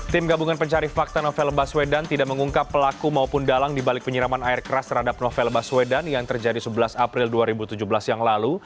tim gabungan pencari fakta novel baswedan tidak mengungkap pelaku maupun dalang dibalik penyiraman air keras terhadap novel baswedan yang terjadi sebelas april dua ribu tujuh belas yang lalu